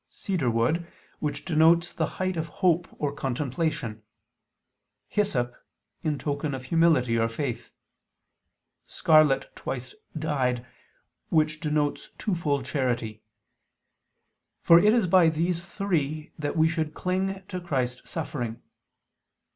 "cedar wood," which denotes the height of hope or contemplation; "hyssop," in token of humility or faith; "scarlet twice dyed," which denotes twofold charity; for it is by these three that we should cling to Christ suffering.